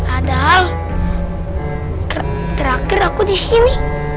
adal terakhir aku di sini